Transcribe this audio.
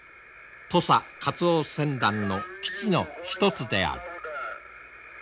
土佐カツオ船団の基地の一つである。